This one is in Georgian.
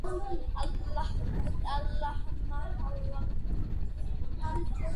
დედამიწაზე არსებული მთელი წყლის მხოლოდ სამი პროცენტია მტკნარი და სასმელად ვარგისი.